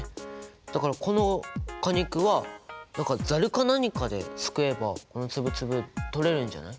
だからこの果肉はざるか何かですくえばこのつぶつぶ取れるんじゃない？